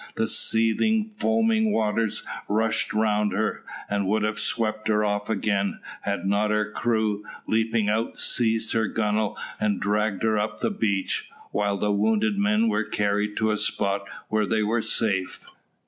The seething, foaming waters rushed round her, and would have swept her off again, had not her crew, leaping out, seized her gunwale and dragged her up the beach, while the wounded men were carried to a spot where they were safe.